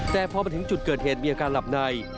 แต่พอมาถึงจุดเกิดเหตุมีอาการหลับใน